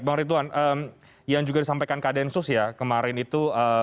bang ritwan yang juga disampaikan kak densus ya kemarin itu